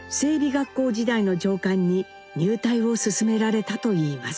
学校時代の上官に入隊を勧められたといいます。